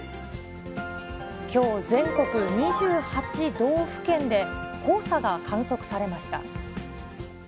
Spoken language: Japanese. きょう、全国２８道府県で黄砂が観測されました。